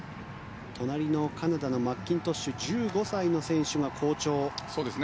隣のカナダのマッキントッシュ１５歳の選手が好調。